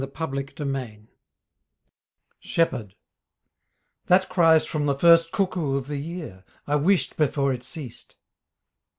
THE SAD SHEPHERD SHEPHERD That cry's from the first cuckoo of the year I wished before it ceased.